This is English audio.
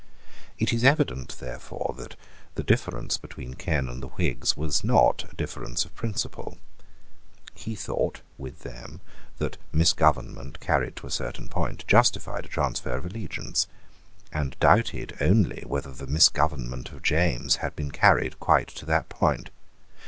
It is evident therefore that the difference between Ken and the Whigs was not a difference of principle. He thought, with them, that misgovernment, carried to a certain point, justified a transfer of allegiance, and doubted only whether the misgovernment of James had been carried quite to that point.